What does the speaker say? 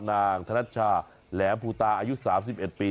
นางธนัชชาแหลมภูตาอายุ๓๑ปี